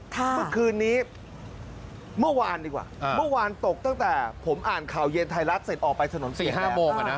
เมื่อคืนนี้เมื่อวานดีกว่าเมื่อวานตกตั้งแต่ผมอ่านข่าวเย็นไทยรัฐเสร็จออกไปถนน๔๕โมง